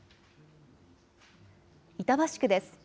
板橋区です。